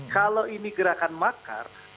kalau ini gerakan makar